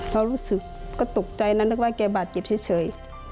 รู้สึกก็ตกใจนะนึกว่าแกบาดเจ็บเฉย